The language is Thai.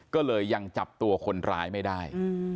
ก็เลยยังจับตัวคนร้ายไม่ได้